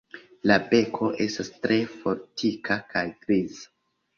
La beko estas tre fortika kaj griza.